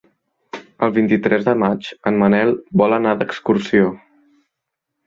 El vint-i-tres de maig en Manel vol anar d'excursió.